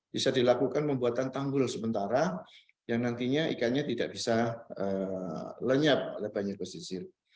bisa dilakukan pembuatan tanggul sementara yang nantinya ikannya tidak bisa lenyap oleh banjir pesisir